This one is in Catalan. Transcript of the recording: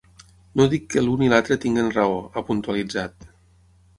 No dic que l’un i l’altre tinguin raó, ha puntualitzat.